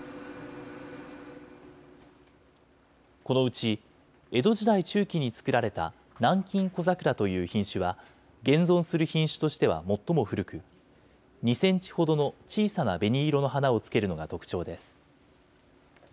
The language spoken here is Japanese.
このうち江戸時代中期に作られた南京小桜という品種は、現存する品種としては最も古く、２センチほどの小さな紅色の花をつけるのが特徴です。